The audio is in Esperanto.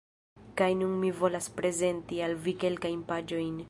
Kaj nun mi volas prezenti al vi kelkajn paĝojn